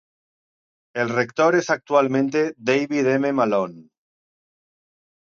El rector es actualmente David M. Malone.